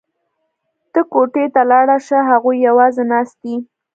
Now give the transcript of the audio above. ته کوټې ته لاړه شه هغوی یوازې ناست دي